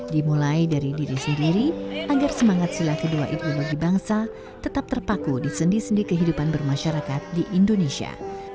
dimulai dari diri sendiri agar semangat sila kedua ideologi bangsa tetap terpaku di sendi sendi kehidupan bermasyarakat di indonesia